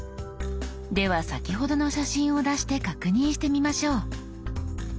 では先ほどの写真を出して確認してみましょう。